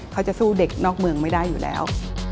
เขาจะสู้เด็กนอกเมืองไม่ได้อยู่แล้ว